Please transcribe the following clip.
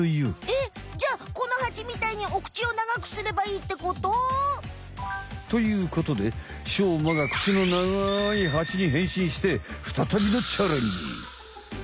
えっじゃこのハチみたいにお口を長くすればいいってこと？ということでしょうまが口の長いハチにへんしんしてふたたびのチャレンジ。